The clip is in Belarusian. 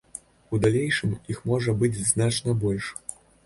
У далейшым іх можа быць значна больш.